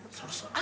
あ！